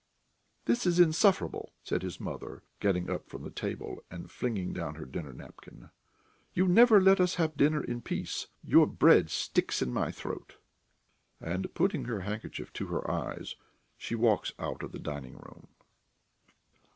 "This is insufferable," says his mother, getting up from the table and flinging down her dinner napkin. "You never let us have dinner in peace! Your bread sticks in my throat." And putting her handkerchief to her eyes, she walks out of the dining room.